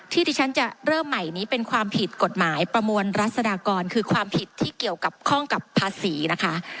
ที่ที่ฉันจะเริ่มใหม่นี้เป็นความผิดกฎหมายประมวลรัศดากรคือความผิดที่เกี่ยวกับข้องกับภาษีนะคะ